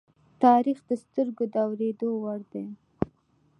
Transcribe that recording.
تاریخ د سترگو د اوریدو وړ دی.